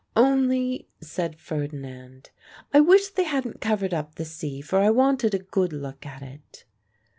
"Only," said Ferdinand, "I wish they hadn't covered up the sea, for I wanted a good look at it."